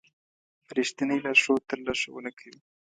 رښتینی لارښود تل لارښوونه کوي.